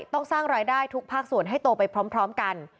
ต้องสร้างรายได้ทุกภาคส่วนให้โตไปพร้อมกัน